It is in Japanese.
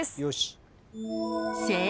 よし。